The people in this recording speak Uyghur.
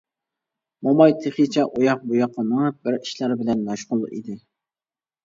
موماي تېخىچە ئۇياق-بۇياققا مېڭىپ بىر ئىشلار بىلەن مەشغۇل ئىدى.